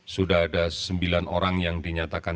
sudah ada sembilan orang yang dinyatakan